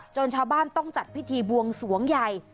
ชาวบ้านต้องจัดพิธีบวงสวงใหญ่